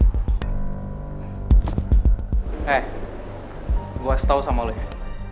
hei gue harus tau sama lo ya